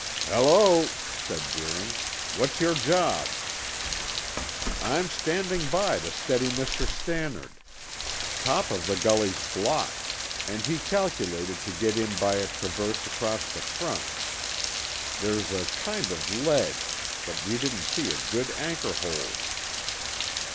"Hello!" said Deering. "What's your job?" "I'm standing by to steady Mr. Stannard. Top of the gully's blocked, and he calculated to get in by a traverse across the front. There's a kind of ledge, but we didn't see a good anchor hold."